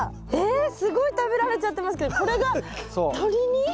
えっすごい食べられちゃってますけどこれが鳥に？